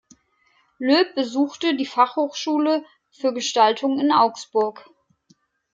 Löb besuchte die Fachhochschule für Gestaltung in Augsburg.